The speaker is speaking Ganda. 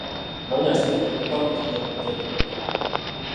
Nnoonya ssente emikwano gijja kujja gyokka.